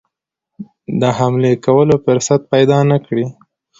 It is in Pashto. د حملې کولو فرصت پیدا نه کړي.